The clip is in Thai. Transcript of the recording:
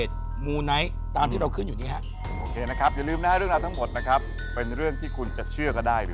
เฉพาะมาภายในเครื่องเข้าส่งของชีวิต